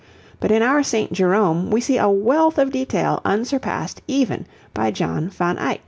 But in our St. Jerome we see a wealth of detail unsurpassed even by John van Eyck.